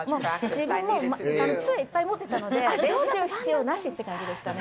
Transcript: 自分も杖をいっぱい持っていたので、練習必要なしっていう感じでした。